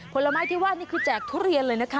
ผลไม้ที่ว่านี่คือแจกทุเรียนเลยนะคะ